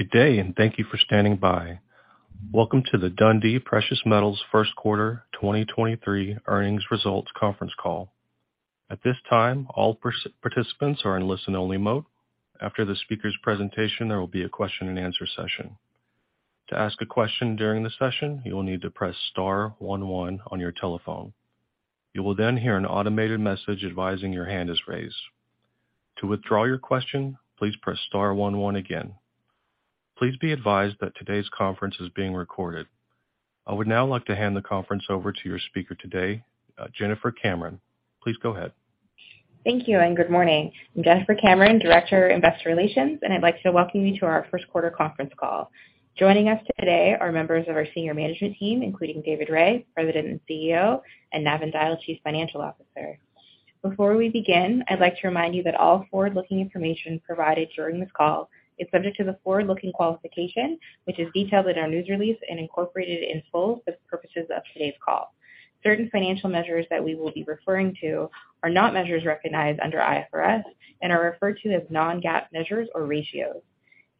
Good day. Thank you for standing by. Welcome to the Dundee Precious Metals first quarter 2023 earnings results conference call. At this time, all participants are in listen-only mode. After the speaker's presentation, there will be a question and answer session. To ask a question during the session, you will need to press star one one on your telephone. You will hear an automated message advising your hand is raised. To withdraw your question, please press star one one again. Please be advised that today's conference is being recorded. I would now like to hand the conference over to your speaker today, Jennifer Cameron. Please go ahead. Thank you good morning. I'm Jennifer Cameron, Director, Investor Relations, and I'd like to welcome you to our first quarter conference call. Joining us today are members of our senior management team, including David Rae, President and CEO, and Navin Dyal, Chief Financial Officer. Before we begin, I'd like to remind you that all forward-looking information provided during this call is subject to the forward-looking qualification, which is detailed in our news release and incorporated in full for the purposes of today's call. Certain financial measures that we will be referring to are not measures recognized under IFRS and are referred to as non-GAAP measures or ratios.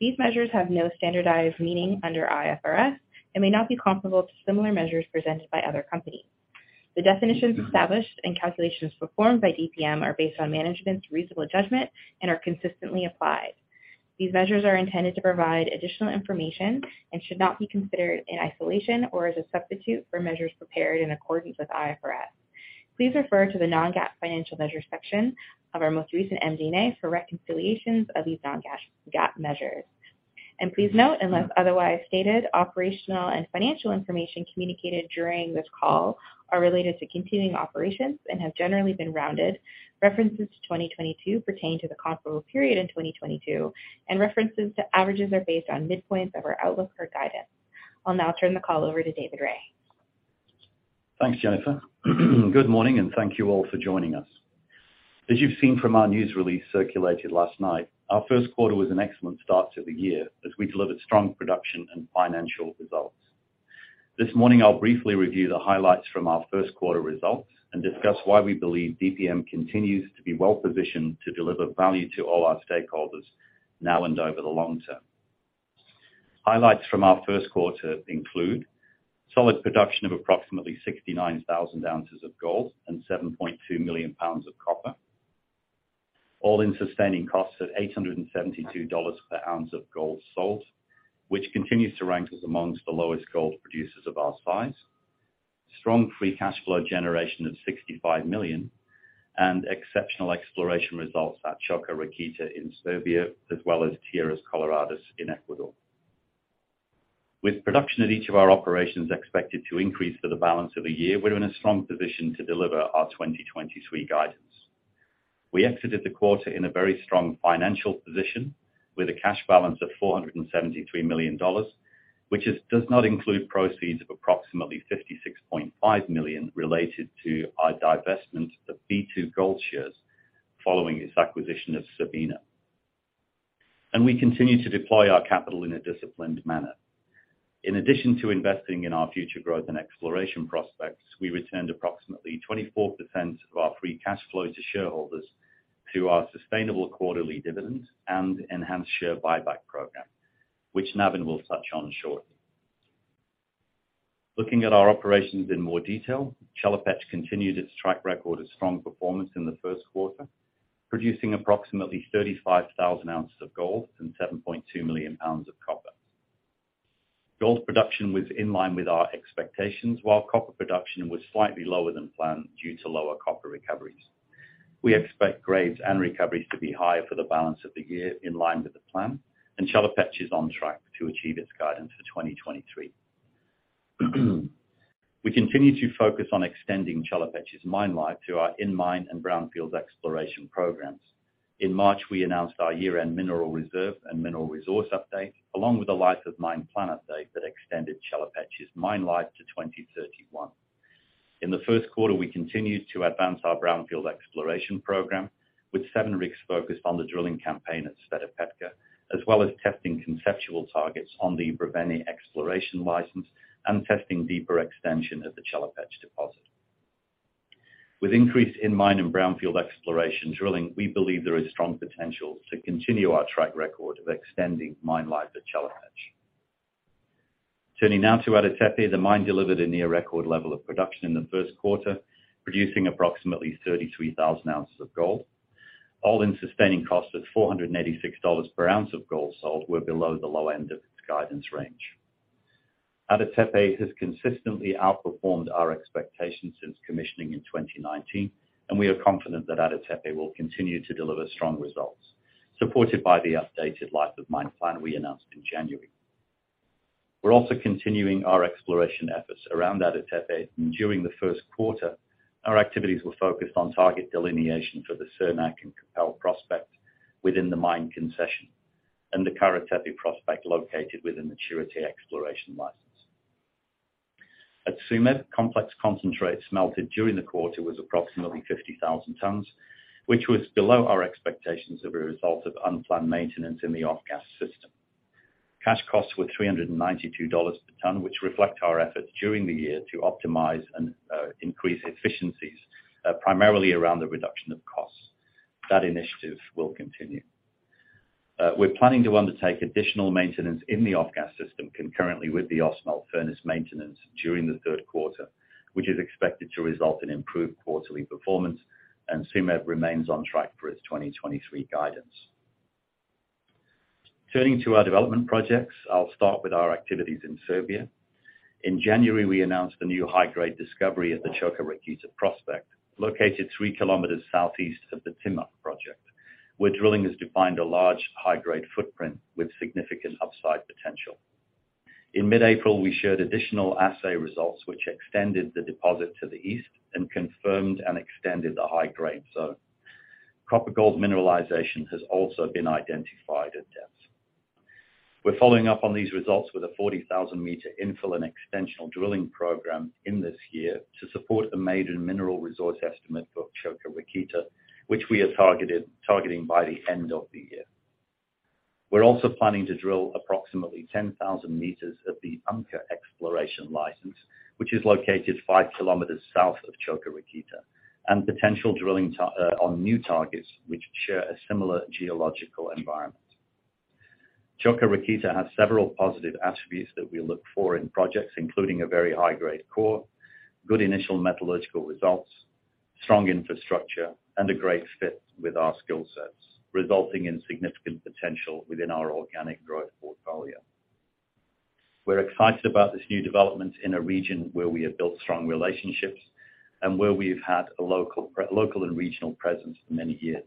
These measures have no standardized meaning under IFRS and may not be comparable to similar measures presented by other companies. The definitions established and calculations performed by DPM are based on management's reasonable judgment and are consistently applied. These measures are intended to provide additional information and should not be considered in isolation or as a substitute for measures prepared in accordance with IFRS. Please refer to the non-GAAP financial measures section of our most recent MD&A for reconciliations of these non-GAAP measures. Please note, unless otherwise stated, operational and financial information communicated during this call are related to continuing operations and have generally been rounded. References to 2022 pertain to the comparable period in 2022, and references to averages are based on midpoints of our outlook for guidance. I'll now turn the call over to David Rae. Thanks, Jennifer. Good morning. Thank you all for joining us. As you've seen from our news release circulated last night, our first quarter was an excellent start to the year as we delivered strong production and financial results. This morning, I'll briefly review the highlights from our first quarter results and discuss why we believe DPM continues to be well-positioned to deliver value to all our stakeholders now and over the long term. Highlights from our first quarter include solid production of approximately 69,000 ounces of gold and 7.2 million pounds of copper, all-in sustaining costs of $872 per ounce of gold sold, which continues to rank us amongst the lowest gold producers of our size. Strong free cash flow generation of $65 million, and exceptional exploration results at Čoka Rakita in Serbia, as well as Tierras Coloradas in Ecuador. With production at each of our operations expected to increase for the balance of the year, we're in a strong position to deliver our 2023 guidance. We exited the quarter in a very strong financial position with a cash balance of $473 million, which does not include proceeds of approximately $56.5 million related to our divestment of B2Gold shares following its acquisition of Sabina. We continue to deploy our capital in a disciplined manner. In addition to investing in our future growth and exploration prospects, we returned approximately 24% of our free cash flow to shareholders through our sustainable quarterly dividend and enhanced share buyback program, which Navin will touch on shortly. Looking at our operations in more detail, Chelopech continued its track record of strong performance in the first quarter, producing approximately 35,000 ounces of gold and 7.2 million pounds of copper. Gold production was in line with our expectations, while copper production was slightly lower than planned due to lower copper recoveries. We expect grades and recoveries to be higher for the balance of the year in line with the plan, and Chelopech is on track to achieve its guidance for 2023. We continue to focus on extending Chelopech's mine life through our in-mine and brownfields exploration programs. In March, we announced our year-end Mineral Reserve and Mineral Resource update, along with the life of mine plan update that extended Chelopech's mine life to 2031. In the first quarter, we continued to advance our brownfield exploration program with seven rigs focused on the drilling campaign at Sredokraska, as well as testing conceptual targets on the Brevene exploration license and testing deeper extension at the Chelopech deposit. With increase in mine and brownfield exploration drilling, we believe there is strong potential to continue our track record of extending mine life at Chelopech. Turning now to Ada Tepe, the mine delivered a near record level of production in the first quarter, producing approximately 33,000 ounces of gold, all-in sustaining costs of $486 per ounce of gold sold were below the low end of its guidance range. We are confident that Ada Tepe will continue to deliver strong results, supported by the updated life of mine plan we announced in January. We're also continuing our exploration efforts around Adashev. During the first quarter, our activities were focused on target delineation for the Surnak and Kupol prospect within the mine concession and the Karatepe prospect located within maturity exploration license. At Tsumeb, complex concentrates melted during the quarter was approximately 50,000 tons, which was below our expectations of a result of unplanned maintenance in the off-gas system. Cash costs were $392 per ton, which reflect our efforts during the year to optimize and increase efficiencies, primarily around the reduction of costs. That initiative will continue. We're planning to undertake additional maintenance in the off-gas system concurrently with the Ausmelt furnace maintenance during the third quarter, which is expected to result in improved quarterly performance. Tsumeb remains on track for its 2023 guidance. Turning to our development projects, I'll start with our activities in Serbia. In January, we announced a new high-grade discovery at the Čoka Rakita prospect, located 3 kilometers southeast of the Timok project, where drilling has defined a large high-grade footprint with significant upside potential. In mid-April, we shared additional assay results, which extended the deposit to the east and confirmed and extended the high-grade zone. Proper gold mineralization has also been identified at depth. We're following up on these results with a 40,000-meter infill and extensional drilling program in this year to support a maiden mineral resource estimate for Čoka Rakita, which we are targeting by the end of the year. We're also planning to drill approximately 10,000 meters at the Umka exploration license, which is located 5 kilometers south of Čoka Rakita, and potential drilling on new targets which share a similar geological environment. Čoka Rakita has several positive attributes that we look for in projects, including a very high-grade core, good initial metallurgical results, strong infrastructure, and a great fit with our skill sets, resulting in significant potential within our organic growth portfolio. We're excited about this new development in a region where we have built strong relationships and where we've had a local and regional presence for many years.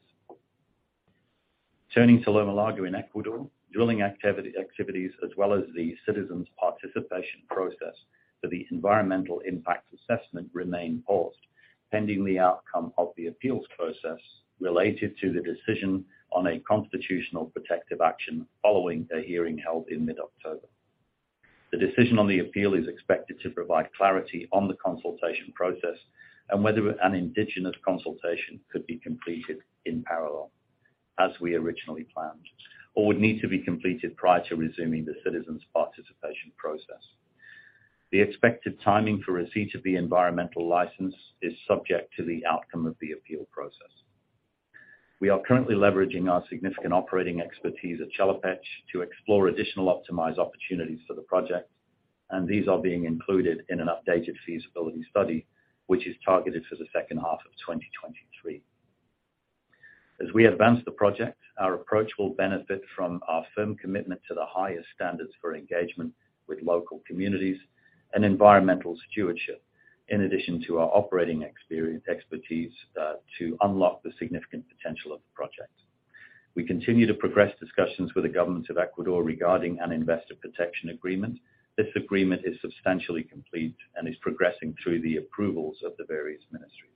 Turning to Loma Larga in Ecuador, drilling activities as well as the citizens' participation process for the environmental impact assessment remain paused, pending the outcome of the appeals process related to the decision on a Constitutional Protective Action following a hearing held in mid-October. The decision on the appeal is expected to provide clarity on the consultation process and whether an Indigenous consultation could be completed in parallel as we originally planned or would need to be completed prior to resuming the citizens' participation process. The expected timing for receipt of the environmental license is subject to the outcome of the appeal process. We are currently leveraging our significant operating expertise at Chelopech to explore additional optimized opportunities for the project. These are being included in an updated feasibility study, which is targeted for the second half of 2023. As we advance the project, our approach will benefit from our firm commitment to the highest standards for engagement with local communities and environmental stewardship, in addition to our operating Expertise to unlock the significant potential of the project. We continue to progress discussions with the government of Ecuador regarding an investor protection agreement. This agreement is substantially complete and is progressing through the approvals of the various ministries.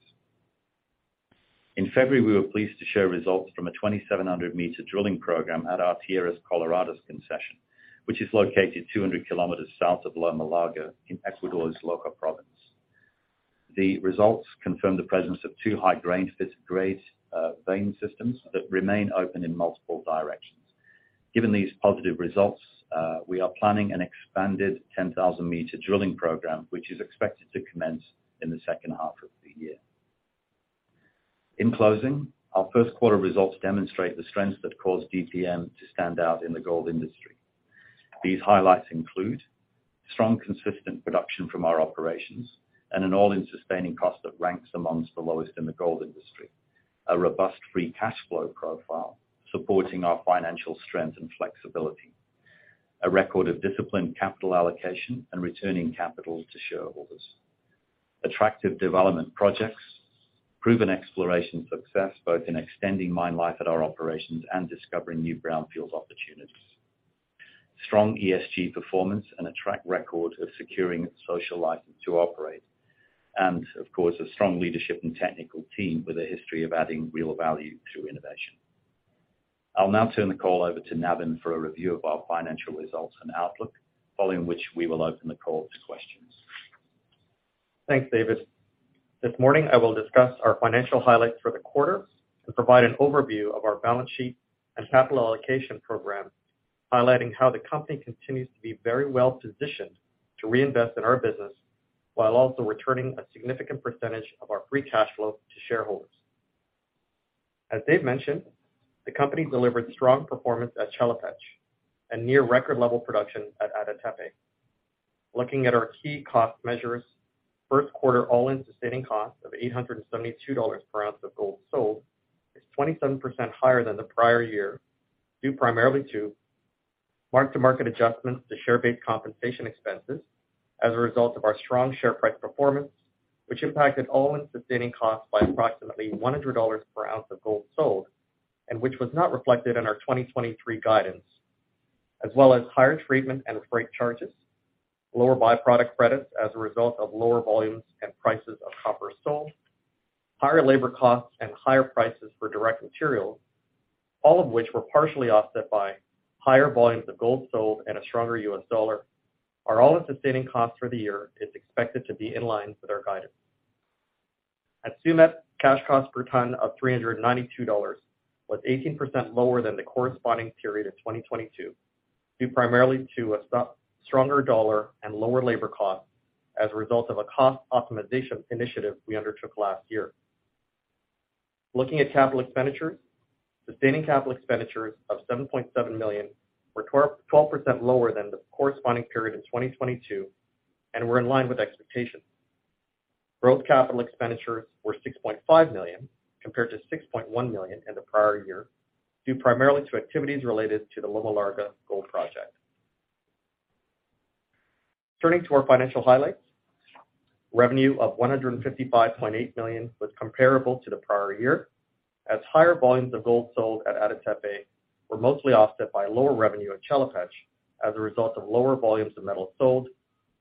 In February, we were pleased to share results from a 2,700-meter drilling program at our Tierras Coloradas concession, which is located 200 kilometers south of Loma Larga in Ecuador's Loja Province. The results confirm the presence of two high-grade, fifth-grade, vein systems that remain open in multiple directions. Given these positive results, we are planning an expanded 10,000-meter drilling program, which is expected to commence in the second half of the year. In closing, our first quarter results demonstrate the strengths that cause DPM to stand out in the gold industry. These highlights include strong, consistent production from our operations and an all-in sustaining cost that ranks amongst the lowest in the gold industry. A robust free cash flow profile supporting our financial strength and flexibility. A record of disciplined capital allocation and returning capital to shareholders. Attractive development projects. Proven exploration success both in extending mine life at our operations and discovering new brownfields opportunities. Strong ESG performance and a track record of securing its social license to operate. Of course, a strong leadership and technical team with a history of adding real value through innovation. I'll now turn the call over to Navin for a review of our financial results and outlook, following which we will open the call to questions. Thanks, David. This morning, I will discuss our financial highlights for the quarter and provide an overview of our balance sheet and capital allocation program, highlighting how the company continues to be very well positioned to reinvest in our business while also returning a significant percentage of our free cash flow to shareholders. As David mentioned, the company delivered strong performance at Chelopech and near record level production at Ada Tepe. Looking at our key cost measures, first quarter all-in sustaining cost of $872 per ounce of gold sold is 27% higher than the prior year, due primarily to mark-to-market adjustments to share-based compensation expenses as a result of our strong share price performance, which impacted all-in sustaining costs by approximately $100 per ounce of gold sold and which was not reflected in our 2023 guidance, as well as higher treatment and freight charges, lower by-product credits as a result of lower volumes and prices of copper sold, higher labor costs, and higher prices for direct materials, all of which were partially offset by higher volumes of gold sold and a stronger U.S. dollar. Our all-in sustaining cost for the year is expected to be in line with our guidance. At Tsumeb, cash cost per ton of $392 was 18% lower than the corresponding period of 2022. Due primarily to a stronger dollar and lower labor costs as a result of a cost optimization initiative we undertook last year. Looking at capital expenditures. Sustaining capital expenditures of $7.7 million were 12% lower than the corresponding period in 2022 and were in line with expectations. Growth capital expenditures were $6.5 million compared to $6.1 million in the prior year, due primarily to activities related to the Loma Larga Gold Project. Turning to our financial highlights. Revenue of $155.8 million was comparable to the prior year, as higher volumes of gold sold at Ada Tepe were mostly offset by lower revenue at Chelopech as a result of lower volumes of metal sold,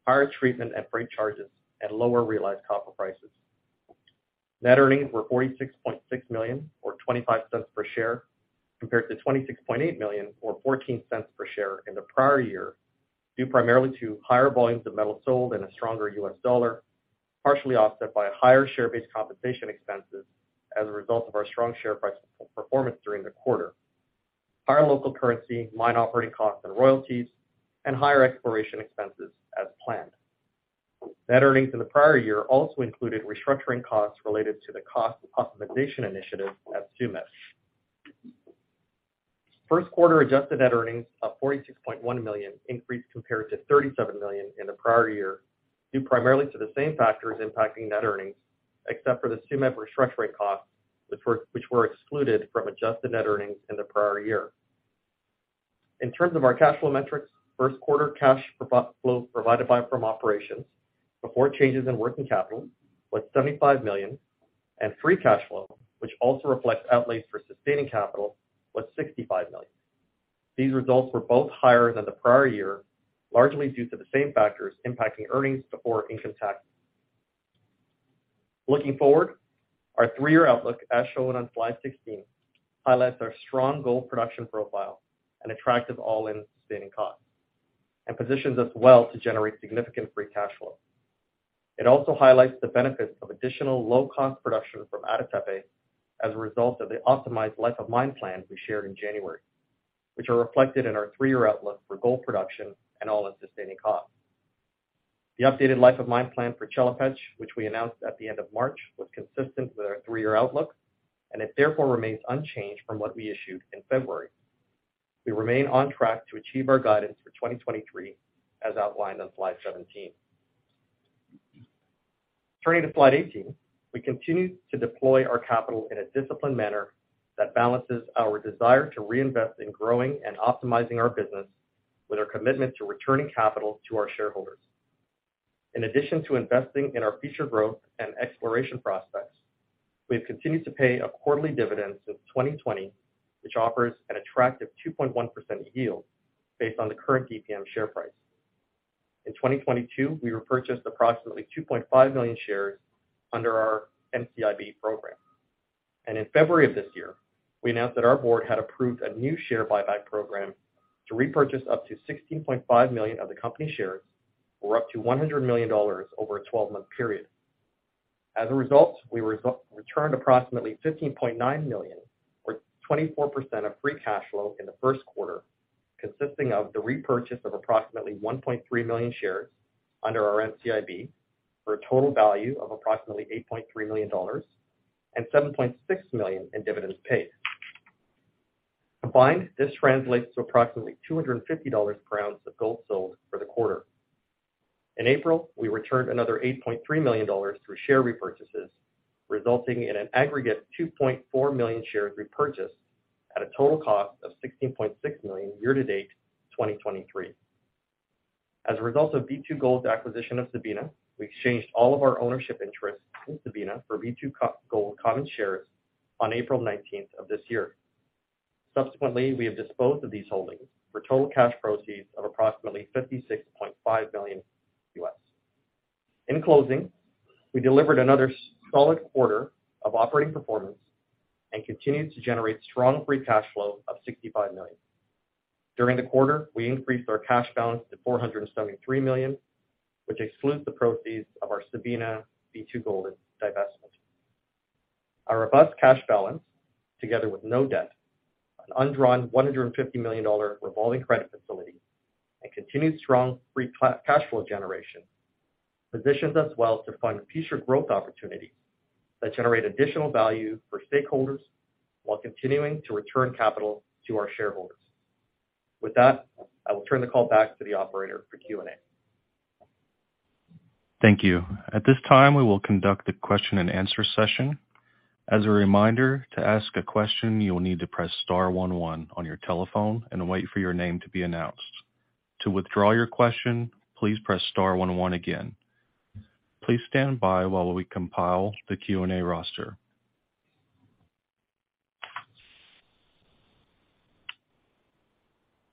higher treatment and freight charges, and lower realized copper prices. Net earnings were $46.6 million or $0.25 per share, compared to $26.8 million or $0.14 per share in the prior year, due primarily to higher volumes of metal sold and a stronger U.S. dollar, partially offset by higher share-based compensation expenses as a result of our strong share price performance during the quarter. Higher local currency, mine operating costs and royalties, and higher exploration expenses as planned. Net earnings in the prior year also included restructuring costs related to the cost optimization initiative at Tsumeb. First quarter adjusted net earnings of $46.1 million increased compared to $37 million in the prior year, due primarily to the same factors impacting net earnings, except for the Tsumeb restructuring costs, which were excluded from adjusted net earnings in the prior year. In terms of our cash flow metrics, first quarter cash pro-flow provided by from operations before changes in working capital was $75 million, and free cash flow, which also reflects outlays for sustaining capital, was $65 million. These results were both higher than the prior year, largely due to the same factors impacting earnings before income tax. Looking forward, our three-year outlook, as shown on slide 16, highlights our strong gold production profile and attractive all-in sustaining costs, and positions us well to generate significant free cash flow. It also highlights the benefits of additional low-cost production from Ada Tepe as a result of the optimized life of mine plan we shared in January, which are reflected in our three-year outlook for gold production and all-in sustaining costs. The updated life of mine plan for Chelopech, which we announced at the end of March, was consistent with our three-year outlook, and it therefore remains unchanged from what we issued in February. We remain on track to achieve our guidance for 2023 as outlined on slide 17. Turning to slide 18. We continue to deploy our capital in a disciplined manner that balances our desire to reinvest in growing and optimizing our business with our commitment to returning capital to our shareholders. In addition to investing in our future growth and exploration prospects, we have continued to pay a quarterly dividend since 2020, which offers an attractive 2.1% yield based on the current DPM share price. In 2022, we repurchased approximately 2.5 million shares under our NCIB program. In February of this year, we announced that our board had approved a new share buyback program to repurchase up to 16.5 million of the company shares, or up to $100 million over a 12-month period. As a result, we returned approximately $15.9 million, or 24% of free cash flow in the first quarter, consisting of the repurchase of approximately 1.3 million shares under our NCIB for a total value of approximately $8.3 million and $7.6 million in dividends paid. Combined, this translates to approximately $250 per ounce of gold sold for the quarter. In April, we returned another $8.3 million through share repurchases, resulting in an aggregate 2.4 million shares repurchased at a total cost of $16.6 million year-to-date 2023. As a result of B2Gold's acquisition of Sabina, we exchanged all of our ownership interests in Sabina for B2Gold common shares on April 19th of this year. Subsequently, we have disposed of these holdings for total cash proceeds of approximately $56.5 million. In closing, we delivered another solid quarter of operating performance and continued to generate strong free cash flow of $65 million. During the quarter, we increased our cash balance to $473 million, which excludes the proceeds of our Sabina B2Gold divestment. Our robust cash balance, together with no debt, an undrawn $150 million revolving credit facility, and continued strong free cash flow generation, positions us well to fund future growth opportunities that generate additional value for stakeholders while continuing to return capital to our shareholders. With that, I will turn the call back to the operator for Q&A. Thank you. At this time, we will conduct a question and answer session. As a reminder, to ask a question, you will need to press star one one on your telephone and wait for your name to be announced. To withdraw your question, please press star one one again. Please stand by while we compile the Q&A roster.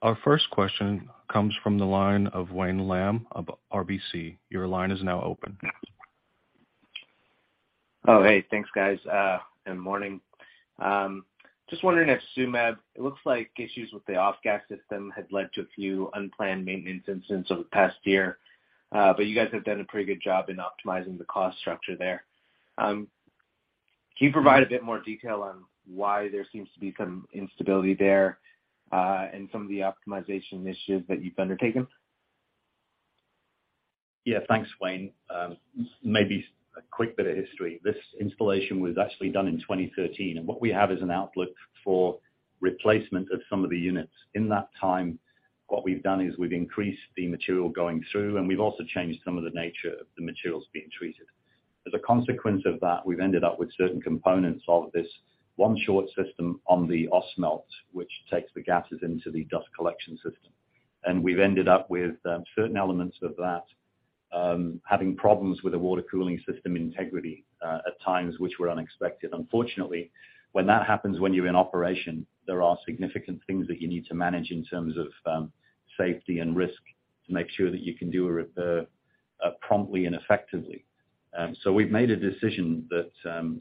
Our first question comes from the line of Wayne Lam of RBC. Your line is now open. Oh, hey, thanks, guys. Morning. Just wondering if Tsumeb. It looks like issues with the off-gas system had led to a few unplanned maintenance incidents over the past year. You guys have done a pretty good job in optimizing the cost structure there. Can you provide a bit more detail on why there seems to be some instability there, and some of the optimization initiatives that you've undertaken? Yeah, thanks, Wayne. Maybe a quick bit of history. This installation was actually done in 2013, and what we have is an outlook for replacement of some of the units. In that time, what we've done is we've increased the material going through, and we've also changed some of the nature of the materials being treated. As a consequence of that, we've ended up with certain components of this one short system on the Ausmelt, which takes the gases into the dust collection system. We've ended up with certain elements of that having problems with the water cooling system integrity at times which were unexpected. Unfortunately, when that happens when you're in operation, there are significant things that you need to manage in terms of safety and risk to make sure that you can do a repair promptly and effectively. We've made a decision that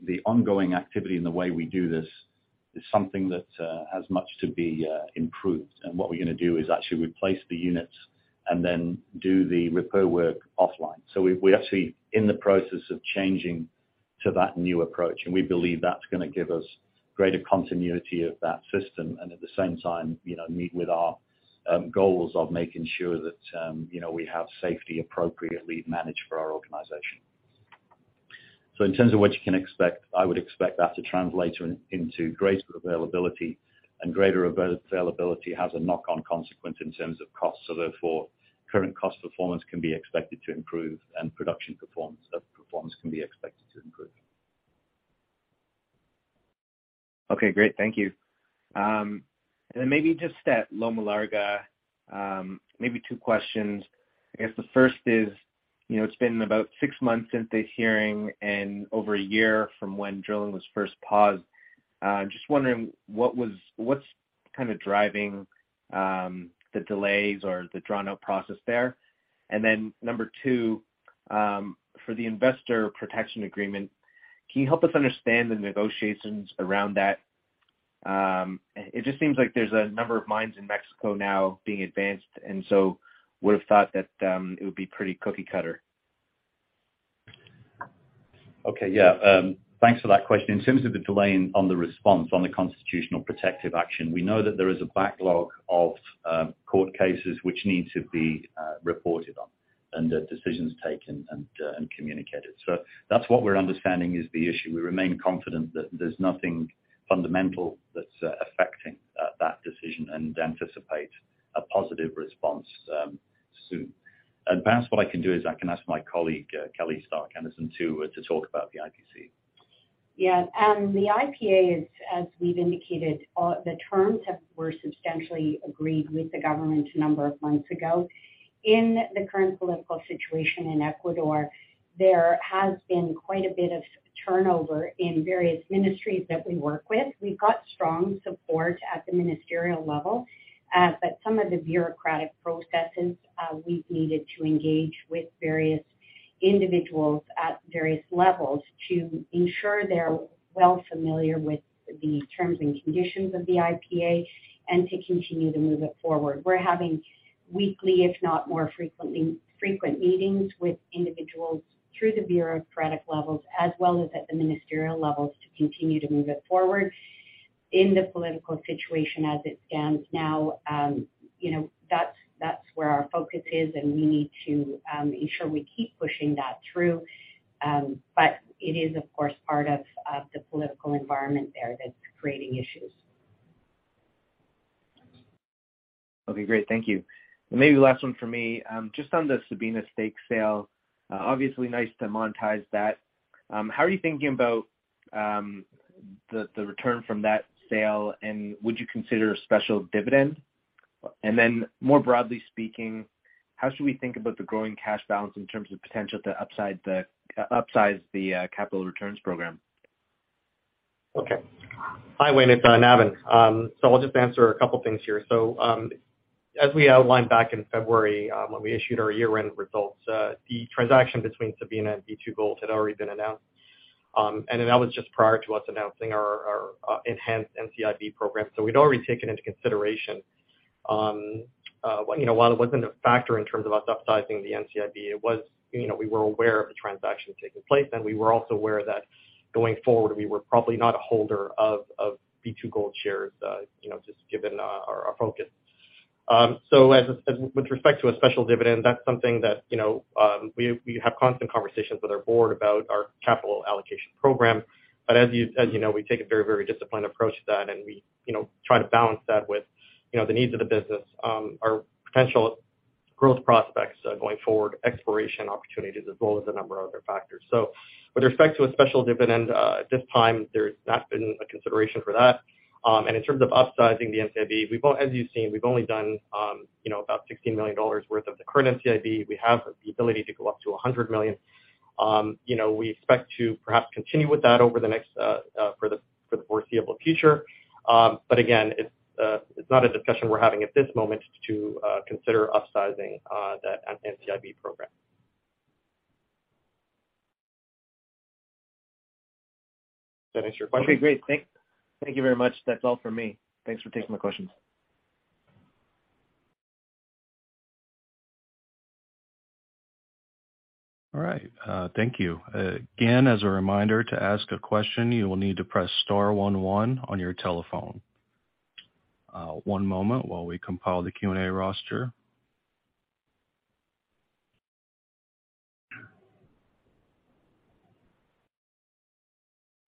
the ongoing activity and the way we do this is something that has much to be improved. What we're gonna do is actually replace the units and then do the repair work offline. We're actually in the process of changing to that new approach, and we believe that's gonna give us greater continuity of that system and at the same time, you know, meet with our goals of making sure that, you know, we have safety appropriately managed for our organization. In terms of what you can expect, I would expect that to translate into greater availability, and greater availability has a knock-on consequence in terms of cost. Therefore, current cost performance can be expected to improve, and production performance can be expected to improve. Okay, great. Thank you. Maybe just at Loma Larga, maybe two questions. I guess the first is, you know, it's been about 6 months since this hearing and over a year from when drilling was first paused. Just wondering what's kind of driving the delays or the drawn-out process there? Number two, for the investor protection agreement, can you help us understand the negotiations around that? It just seems like there's a number of mines in Mexico now being advanced, and so would've thought that, it would be pretty cookie cutter. Okay. Yeah. Thanks for that question. In terms of the delay in, on the response on the Constitutional Protective Action, we know that there is a backlog of court cases which need to be reported on and decisions taken and communicated. That's what we're understanding is the issue. We remain confident that there's nothing fundamental that's affecting that decision and anticipate a positive response soon. Perhaps what I can do is I can ask my colleague, Kelly Stark-Anderson to talk about the IPA. The IPA, as we've indicated, the terms were substantially agreed with the government a number of months ago. In the current political situation in Ecuador, there has been quite a bit of turnover in various ministries that we work with. We've got strong support at the ministerial level, but some of the bureaucratic processes, we've needed to engage with various individuals at various levels to ensure they're well familiar with the terms and conditions of the IPA and to continue to move it forward. We're having weekly, if not more frequently, frequent meetings with individuals through the bureaucratic levels as well as at the ministerial levels to continue to move it forward. In the political situation as it stands now, you know, that's where our focus is, and we need to ensure we keep pushing that through. It is, of course, part of the political environment there that's creating issues. Okay, great. Thank you. Maybe last one for me, just on the Sabina stake sale. Obviously nice to monetize that. How are you thinking about the return from that sale, and would you consider a special dividend? Then more broadly speaking, how should we think about the growing cash balance in terms of potential to upsize the capital returns program? Okay. Hi, Wayne. It's Navin. I'll just answer a couple things here. As we outlined back in February, when we issued our year-end results, the transaction between Sabina and B2Gold had already been announced. That was just prior to us announcing our enhanced NCIB program. We'd already taken into consideration, you know, while it wasn't a factor in terms of us upsizing the NCIB, it was, you know, we were aware of the transaction taking place, and we were also aware that going forward, we were probably not a holder of B2Gold shares, you know, just given our focus. As with respect to a special dividend, that's something that, you know, we have constant conversations with our board about our capital allocation program. As you know, we take a very, very disciplined approach to that, and we, you know, try to balance that with, you know, the needs of the business, our potential growth prospects, going forward, exploration opportunities as well as a number of other factors. With respect to a special dividend, at this time, there's not been a consideration for that. In terms of upsizing the NCIB, as you've seen, we've only done, you know, about $60 million worth of the current NCIB. We have the ability to go up to $100 million. You know, we expect to perhaps continue with that over the next for the foreseeable future. Again, it's not a discussion we're having at this moment to consider upsizing that NCIB program. Does that answer your question? Okay, great. Thank you very much. That's all for me. Thanks for taking my questions. All right, thank you. Again, as a reminder, to ask a question, you will need to press star one one on your telephone. One moment while we compile the Q&A roster.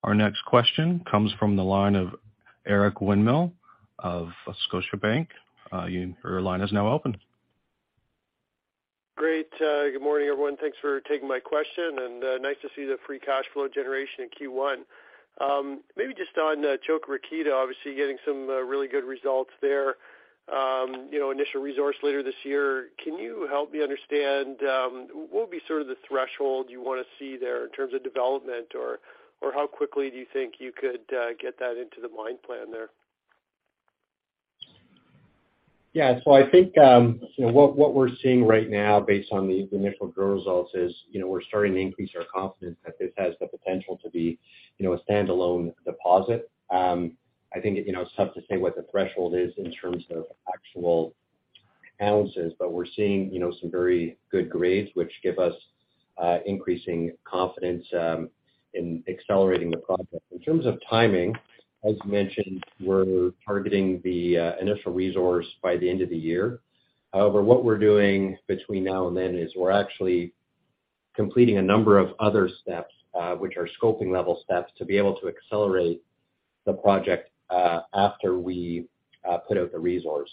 Our next question comes from the line of Eric Winmill of Scotiabank. Your line is now open. Great. Good morning, everyone. Thanks for taking my question, and nice to see the free cash flow generation in Q1. Maybe just on Čoka Rakita, obviously getting some really good results there. You know, initial resource later this year. Can you help me understand what would be sort of the threshold you wanna see there in terms of development? Or how quickly do you think you could get that into the mine plan there? Yeah. I think, you know, what we're seeing right now based on the initial drill results is, you know, we're starting to increase our confidence that this has the potential to be, you know, a standalone deposit. I think, you know, it's tough to say what the threshold is in terms of actual ounces, but we're seeing, you know, some very good grades which give us increasing confidence in accelerating the project. In terms of timing, as mentioned, we're targeting the initial resource by the end of the year. However, what we're doing between now and then is we're actually completing a number of other steps, which are scoping level steps to be able to accelerate the project after we put out the resource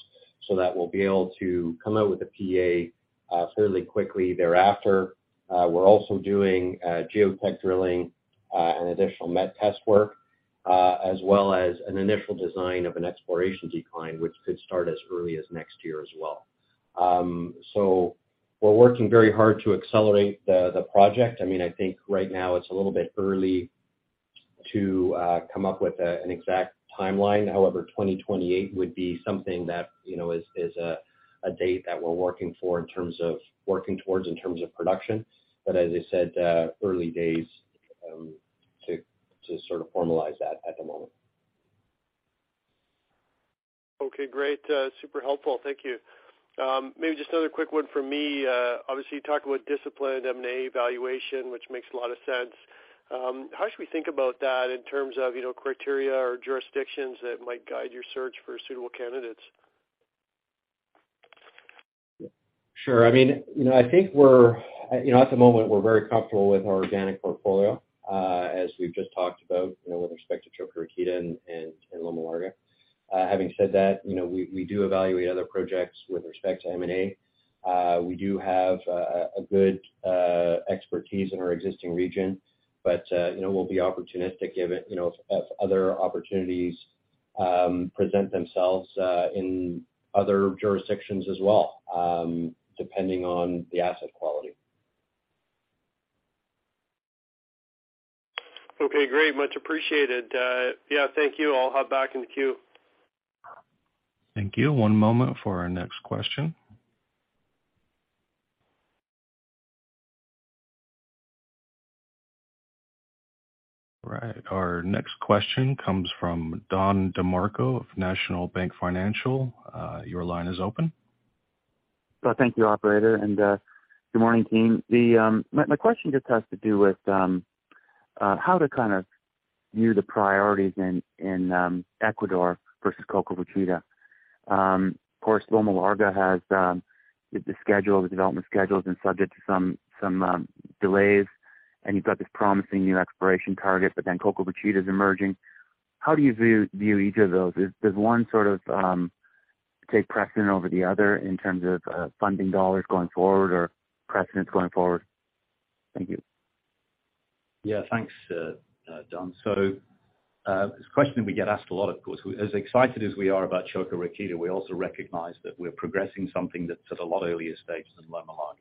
so that we'll be able to come out with a PEA fairly quickly thereafter. We're also doing GeoTech drilling and additional met test work as well as an initial design of an exploration decline, which could start as early as next year as well. We're working very hard to accelerate the project. I mean, I think right now it's a little bit early to come up with an exact timeline. However, 2028 would be something that, you know, is a date that we're working for in terms of working towards in terms of production. As I said, early days to sort of formalize that at the moment. Okay. Great. Super helpful. Thank you. Maybe just another quick one from me. Obviously, you talked about disciplined M&A evaluation, which makes a lot of sense. How should we think about that in terms of, you know, criteria or jurisdictions that might guide your search for suitable candidates? Sure. I mean, you know, I think You know, at the moment, we're very comfortable with our organic portfolio, as we've just talked about, you know, with respect to Čoka Rakita and Loma Larga. Having said that, you know, we do evaluate other projects with respect to M&A. We do have a good expertise in our existing region, but, you know, we'll be opportunistic if it, you know, if other opportunities present themselves in other jurisdictions as well, depending on the asset quality. Okay. Great. Much appreciated. Yeah, thank you. I'll hop back in the queue. Thank you. One moment for our next question. All right, our next question comes from Don DeMarco of National Bank Financial. Your line is open. Thank you, operator, and good morning, team. My question just has to do with how to kind of view the priorities in Ecuador versus Čoka Rakita. Of course, Loma Larga has the schedule, the development schedule has been subject to some delays, and you've got this promising new exploration target, but then Čoka Rakita's emerging. How do you view each of those? Does one sort of take precedent over the other in terms of funding dollars going forward or precedents going forward? Thank you. Yeah. Thanks, Don. It's a question that we get asked a lot, of course. As excited as we are about Čoka Rakita, we also recognize that we're progressing something that's at a lot earlier stage than Loma Larga.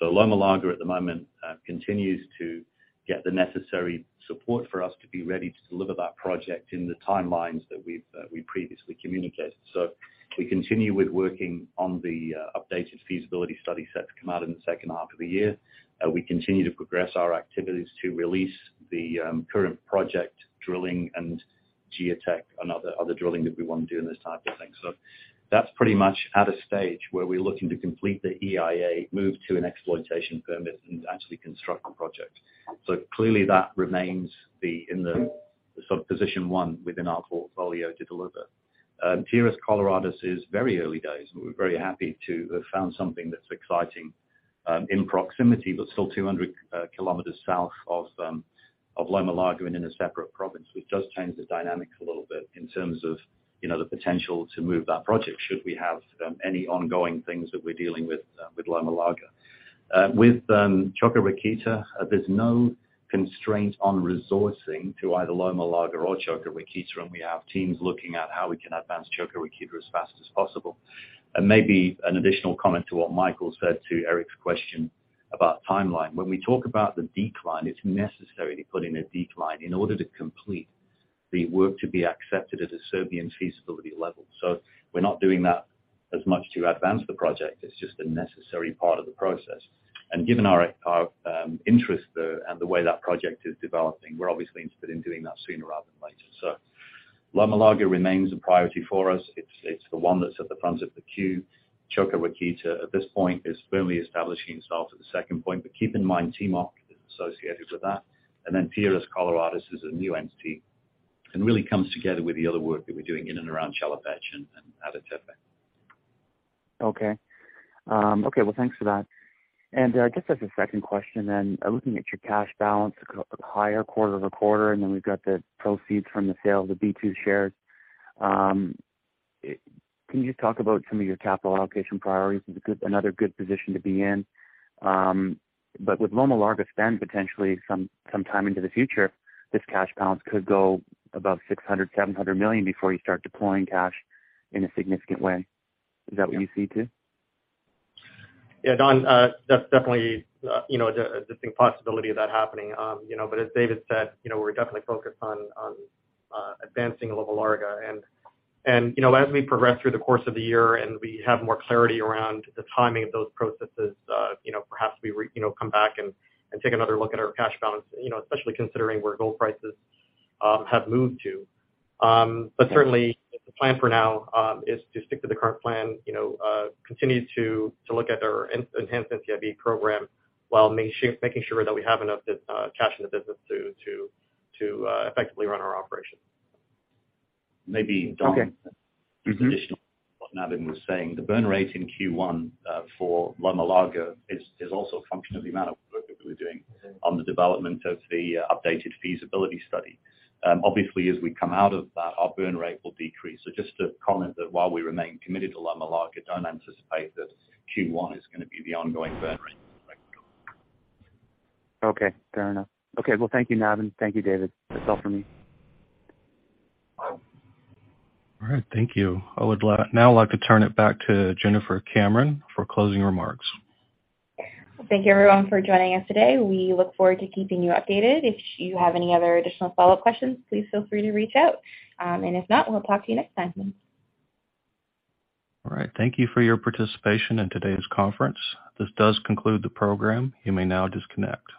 Loma Larga at the moment continues to get the necessary support for us to be ready to deliver that project in the timelines that we've previously communicated. We continue with working on the updated feasibility study set to come out in the second half of the year. We continue to progress our activities to release the current project drilling and GeoTech and other drilling that we want to do and this type of thing. That's pretty much at a stage where we're looking to complete the EIA, move to an exploitation permit, and actually construct the project. Clearly that remains the, in the sort of position one within our portfolio to deliver. Tierras Coloradas is very early days, and we're very happy to have found something that's exciting, in proximity, but still 200 kilometers south of Loma Larga and in a separate province, which does change the dynamics a little bit in terms of, you know, the potential to move that project should we have any ongoing things that we're dealing with Loma Larga. With Čoka Rakita, there's no constraint on resourcing to either Loma Larga or Čoka Rakita, and we have teams looking at how we can advance Čoka Rakita as fast as possible. Maybe an additional comment to what Michael said to Eric's question about timeline. When we talk about the decline, it's necessary to put in a decline in order to complete the work to be accepted at a Serbian feasibility level. We're not doing that as much to advance the project. It's just a necessary part of the process. Given our interest and the way that project is developing, we're obviously interested in doing that sooner rather than later. Loma Larga remains a priority for us. It's the one that's at the front of the queue. Čoka Rakita, at this point, is firmly establishing itself at the second point. Keep in mind, Timok is associated with that. Tierras Coloradas is a new entity and really comes together with the other work that we're doing in and around Chelopech and Ada Tepe. Okay. Okay, well, thanks for that. I guess as a second question then, looking at your cash balance higher quarter-over-quarter, and then we've got the proceeds from the sale of the B2 shares, can you just talk about some of your capital allocation priorities? Is it another good position to be in? But with Loma Larga spend potentially some time into the future, this cash balance could go above $600 million-$700 million before you start deploying cash in a significant way. Is that what you see too? Yeah, Don DeMarco, that's definitely, you know, the possibility of that happening. You know, as David Rae said, you know, we're definitely focused on advancing Loma Larga. As we progress through the course of the year and we have more clarity around the timing of those processes, you know, perhaps we come back and take another look at our cash balance, you know, especially considering where gold prices have moved to. Certainly the plan for now, is to stick to the current plan, you know, continue to look at our enhanced NCIB program while making sure that we have enough cash in the business to effectively run our operations. Maybe, Don. Okay. Additional to what Navin was saying, the burn rate in Q1 for Loma Larga is also a function of the amount of work that we're doing on the development of the updated feasibility study. Obviously, as we come out of that, our burn rate will decrease. Just to comment that while we remain committed to Loma Larga, don't anticipate that Q1 is gonna be the ongoing burn rate. Okay, fair enough. Okay. Well, thank you, Navin. Thank you, David. That's all for me. All right. Thank you. I would now like to turn it back to Jennifer Cameron for closing remarks. Thank you everyone for joining us today. We look forward to keeping you updated. If you have any other additional follow-up questions, please feel free to reach out. If not, we'll talk to you next time. All right. Thank you for your participation in today's conference. This does conclude the program. You may now disconnect.